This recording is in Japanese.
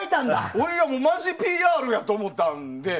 俺はマジでＰＲやと思ったんで。